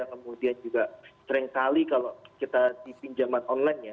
kemudian juga seringkali kalau kita di pinjaman online ya